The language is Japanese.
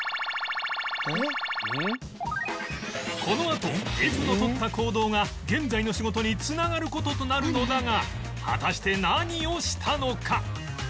このあと Ｆ の取った行動が現在の仕事に繋がる事となるのだが果たして何をしたのか？